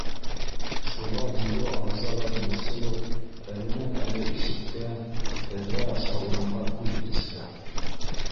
Шуға бюро ағзалары борсолоп әленән-әле ишеккә, тәҙрә аша урамға күҙ төшөрә